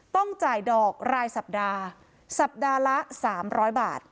ต้องจ่ายดอกรายสัปดาห์สัปดาห์ละ๓๐๐บาท